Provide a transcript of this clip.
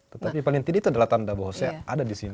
tetapi paling tidak itu adalah tanda bahwa saya ada di sini